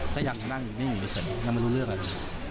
ก็ยังนั่งนิ่งอยู่เฉยแล้วมันรู้เรื่องอะไร